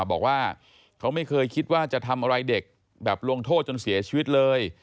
บอกว่าเขาไม่เคยคิดว่าจะทำอะไรเด็กแบบลงโทษจนเสียชีวิตเลย